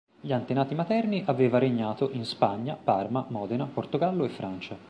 Gli antenati materni aveva regnato in Spagna, Parma, Modena, Portogallo e Francia.